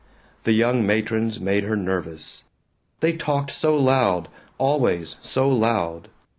The young matrons made her nervous. They talked so loud, always so loud.